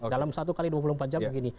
dalam satu x dua puluh empat jam begini